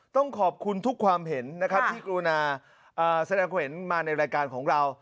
ต้องขอบคุณทุกความเห็นนะครับที่กรุณาแสดงความเห็นมาในรายการของเรา